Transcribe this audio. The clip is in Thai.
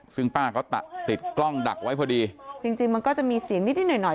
ซึ่งป้าก็ติดกล้องดักไว้พอดีจริงจริงมันก็จะมีเสียงนิดนิดหน่อยหน่อย